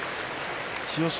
千代翔